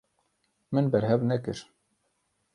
Min berhev nekir.